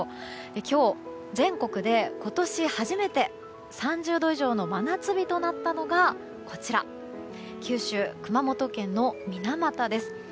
今日、全国で今年初めて３０度以上の真夏日となったのが九州・熊本県の水俣です。